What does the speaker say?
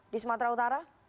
di sumatera utara